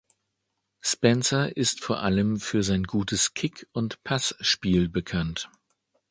Spencer ist vor allem für sein gutes Kick- und Passspiel bekannt.